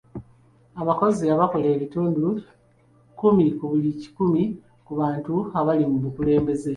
Abakozi abakola ebitundu kkumi ku buli kikumi ku bantu abali mu bukulembeze.